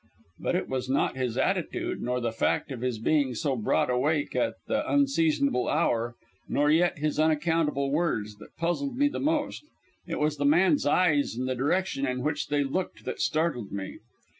But it was not his attitude, nor the fact of his being so broad awake at the unseasonable hour, nor yet his unaccountable words, that puzzled me the most. It was the man's eyes and the direction in which they looked that startled me.